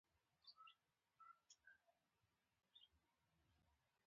بل څه لیدلي وای.